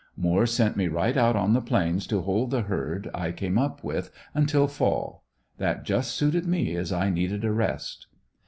Moore sent me right out on the Plains to hold the herd I came up with, until fall. That just suited me as I needed a rest.